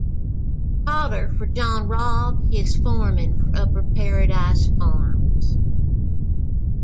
Potter for John Robb, his foreman for Upper Paradise farms.